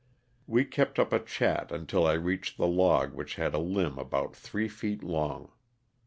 We kept up a chat until I reached the log which had a limb about three feet long.